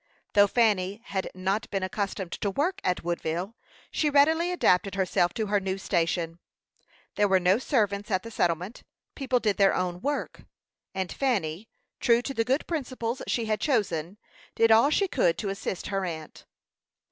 Though Fanny had not been accustomed to work at Woodville, she readily adapted herself to her new station. There were no servants at the settlement; people did their own work; and Fanny, true to the good principles she had chosen, did all she could to assist her aunt.